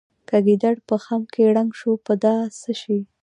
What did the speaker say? که ګیدړ په خم کې رنګ شو په دا څه شي.